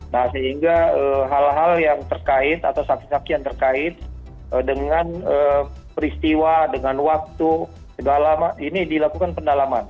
nah sehingga hal hal yang terkait atau saksi saksi yang terkait dengan peristiwa dengan waktu segala ini dilakukan pendalaman